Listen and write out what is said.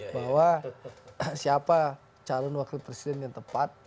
bahwa siapa calon wakil presiden yang tepat